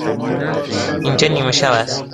اینجا نیمه شب است.